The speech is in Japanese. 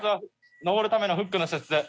登るためのフックの設置。